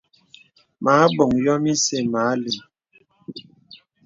Mə̀ abɔ̀ŋ yɔ̀m ìsɛ̂ mə a lìŋ.